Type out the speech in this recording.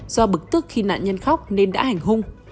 do bực tức khi nạn nhân khóc nên đã hành hung